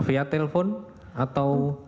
via telepon atau